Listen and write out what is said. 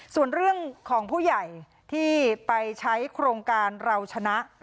ส่วนเรื่องของผู้ใหญ่ที่ไปใช้โครงการเราชนะ